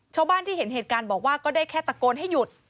ชาวบ้านที่เห็นเหตุการณ์บอกว่าก็ได้แค่ตะโกนให้หยุด